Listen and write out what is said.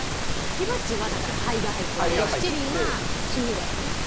火鉢はだから灰が入ってて七輪は炭だよね。